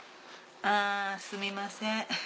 あすみません。